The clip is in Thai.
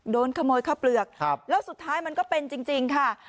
โดนขโมยข้าวเปลือกแล้วสุดท้ายมันก็เป็นจริงค่ะ